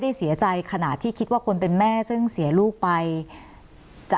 เสียใจขนาดที่คิดว่าคนเป็นแม่ซึ่งเสียลูกไปจะ